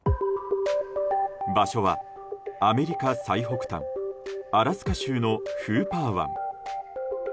場所はアメリカ最北端アラスカ州のフーパー湾。